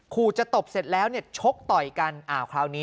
คู่จะตบเสร็จแล้วเนี่ยชกต่อยกัน